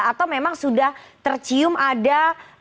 atau memang sudah tercium ada